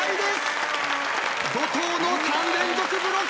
怒濤の３連続ブロック！